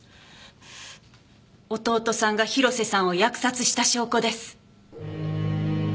弟さんが広瀬さんを扼殺した証拠です。